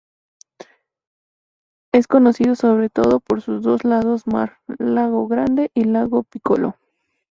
Es conocido sobre todo por sus dos lados maar, "Lago Grande" y "Lago Piccolo".